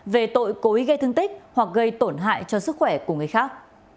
về tội cố ý gây thương tích hoặc gây tổn hại cho sức khỏe của người khác